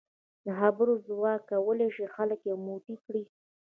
د خبرو ځواک کولای شي خلک یو موټی کړي.